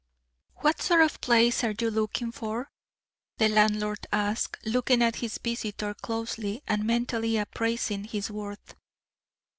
"What sort of a place are you looking for?" the landlord asked, looking at his visitor closely, and mentally appraising his worth.